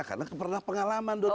karena pernah pengalaman dulu